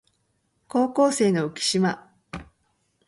高校生の浮島